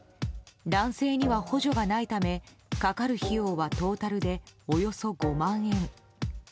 男性には、補助がないためかかる費用はトータルでおよそ５万円。